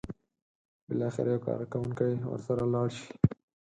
بالاخره یو کارکوونکی ورسره لاړ شي.